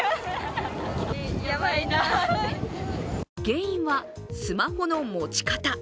原因はスマホの持ち方。